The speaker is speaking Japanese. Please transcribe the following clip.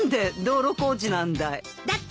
だって